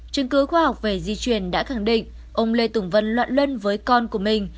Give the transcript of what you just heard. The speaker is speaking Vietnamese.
chứng cứ khoa học về di truyền đã khẳng định ông lê tùng vân loạn luân với con của mình